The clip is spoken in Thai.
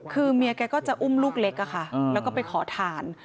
คือเมียแกก็จะอุ้มลูกเล็กแล้วก็ไปขอทาน